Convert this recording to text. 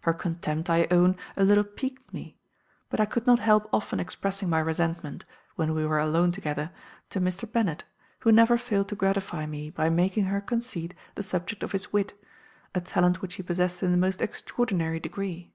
Her contempt, I own, a little piqued me; and I could not help often expressing my resentment, when we were alone together, to Mr. Bennet, who never failed to gratify me by making her conceit the subject of his wit; a talent which he possessed in the most extraordinary degree.